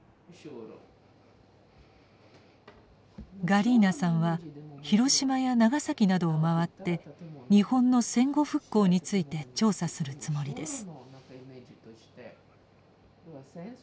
ガリーナさんは広島や長崎などを回って日本の戦後復興について調査するつもりです。